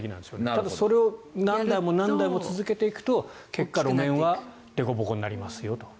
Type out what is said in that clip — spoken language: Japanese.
ただ、それを何台も何台も続けていくと結果、路面はでこぼこになりますよと。